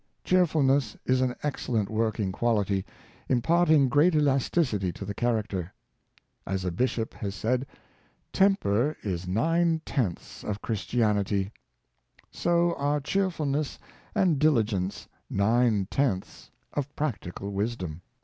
Cheerfulness is an excellent working quality, im parting great elasticity to the character. As a bishop has said, " Temper is nine tenths of Christianity; " so Dr, Young, 227 are cheerfulness and diligence nine tenths of practical wisdom.